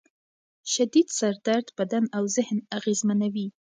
شدید سر درد بدن او ذهن اغېزمنوي.